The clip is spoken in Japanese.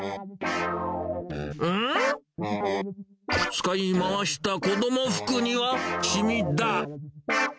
使い回した子ども服には、染みだ。